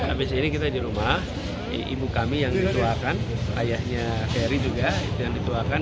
habis ini kita di rumah ibu kami yang dituakan ayahnya ferry juga yang dituakan